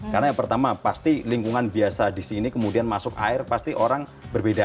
karena yang pertama pasti lingkungan biasa disini kemudian masuk air pasti orang berbeda